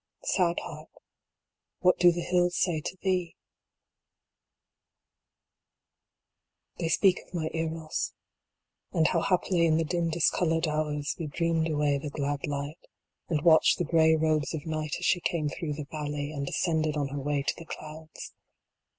Sad Heart, what do the hills say to thee ? They speak of my Eros, and how happily in the dim dis colored hours we dreamed away the glad light, and watched the gray robes of night as she came through the valley, and ascended on her way to the clouds.